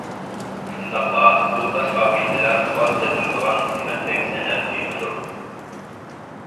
شۇنداقلا بۇ تاش ئابىدىلەر ئاز تېپىلىدىغان قىممەتلىك سەنئەت بۇيۇمىدۇر.